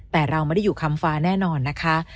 แต่เราไม่ได้อยู่คำฟ้าแน่นอนนะคะ